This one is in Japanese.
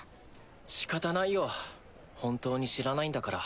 しかたないよ本当に知らないんだから。